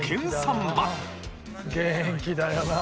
元気だよな。